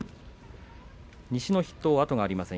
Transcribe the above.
西の筆頭、後がありません